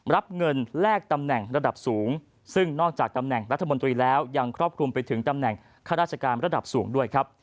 รับเงินแลกตำแหน่งระดับสูงซึ่งนอกจากตำแหน่งรัฐมนตรีแล้วยังครอบคลุมไปถึงตำแหน่งข้าราชการระดับสูงด้วยครับ